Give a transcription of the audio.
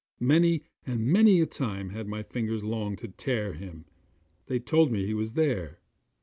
Many and many a time had my fingers longed to tear him. They told me he was there.